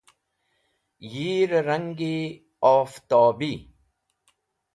Yir-e rangi oftobi.